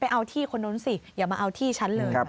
เอาที่คนนู้นสิอย่ามาเอาที่ฉันเลย